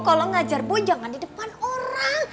kalo ngajar boy jangan di depan orang